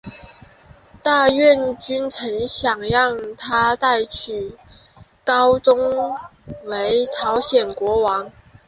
大院君曾想让他取代高宗为朝鲜国王。